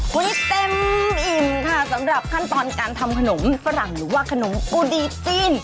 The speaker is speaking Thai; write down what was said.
วันนี้เต็มอิ่มค่ะสำหรับขั้นตอนการทำขนมฝรั่งหรือว่าขนมกุดีจีน